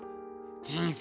人生